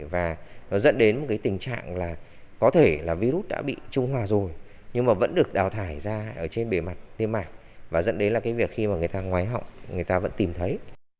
và nó dẫn đến một cái tình trạng là có thể là virus đã bị trung hòa rồi nhưng mà vẫn được đào thải ra ở trên bề mặt tim mạng và dẫn đến là cái việc khi mà người ta ngoái họng người ta vẫn tìm thấy